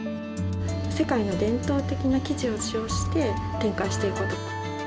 世界の伝統的な生地を使用して展開していこうと。